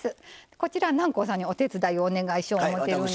こちら南光さんにお手伝いをお願いしよう思ってるんですけど。